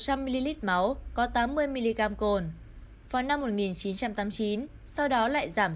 vào năm một nghìn chín trăm tám mươi chín sau đó lại giảm xuống còn sáu trong luật giao thông sửa đổi vào năm một nghìn chín trăm chín mươi tám